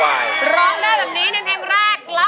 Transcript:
ร้องได้แบบนี้ในเพลงแรก